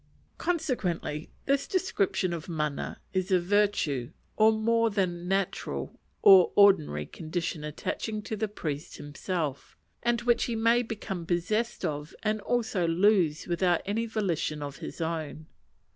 Consequently, this description of mana is a virtue, or more than natural or ordinary condition attaching to the priest himself; and which he may become possessed of and also lose without any volition of his own.